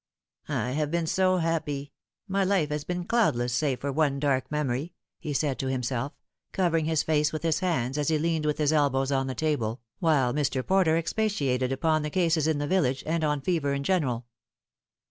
" I have been so happy ; my life has been cloudless, save for one dark memory," he said to himself, covering his face with his hands as he leaned with his elbows on the table, while Mr. Porter expatiated upon the cases in the village, and on fever in general.